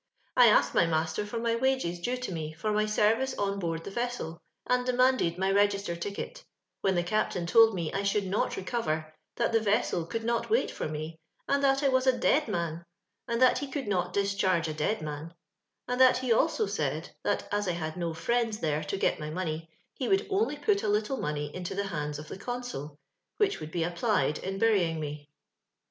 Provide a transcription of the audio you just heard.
I asked my master for my wages due to me, for my service on board the vessel, and deniable* I my register ticket ; when the captain told mo I should not recover, that tho vessel could not wait lor me, and that I was a dead man, and that ho couJd not ditichargu a duid man ; and that he also said, that as I liad no Irieuds there to got my money, he would only Ptit a little money into tho hands of the consul, which would be appUed in bur> iijg me.